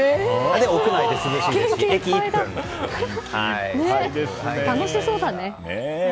屋内で涼しくて楽しそうだね。